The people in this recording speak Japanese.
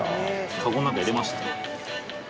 カゴの中入れました。